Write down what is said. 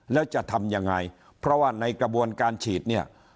แล้วจะทำยังไงเพราะว่าในกระบวนการฉีดเนี่ย